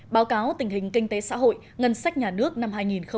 báo cáo tình hình kinh tế xã hội ngân sách nhà nước năm hai nghìn một mươi chín